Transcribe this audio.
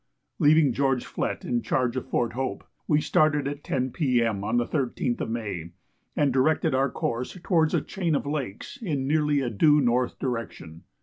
Leaving George Flett in charge at Fort Hope, we started at 10 P.M. on the 13th of May, and directed our course towards a chain of lakes in nearly a due north direction.